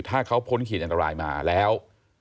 ถ้าเขาพ้นขีดอันตรายมาแล้ว